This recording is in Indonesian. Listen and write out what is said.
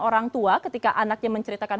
orang tua ketika anaknya menceritakan